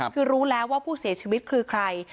คือรู้แล้วว่าผู้เสียชีวิตคือใคร